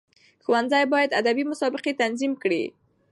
ښوونځي باید ادبي مسابقي تنظیم کړي.